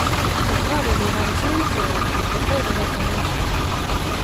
It probably had its own curate before the Reformation.